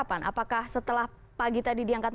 apakah dari pagi yang tadi diangkat